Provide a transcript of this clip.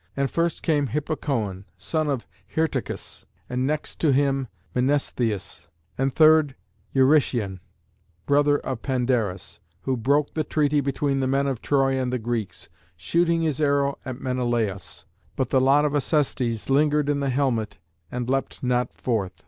And first came Hippocoön, son of Hyrtacus; and next to him Mnestheus; and third Eurytion, brother of Pandarus, who broke the treaty between the men of Troy and the Greeks, shooting his arrow at Menelaüs; but the lot of Acestes lingered in the helmet and leapt not forth.